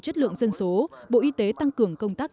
chất lượng dân số bộ y tế tăng cường công tác